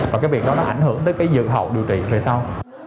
và cái việc đó nó ảnh hưởng tới cái dự hậu điều trị về sau